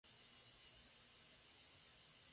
En este barrio se encuentra la Laguna de la Barrera.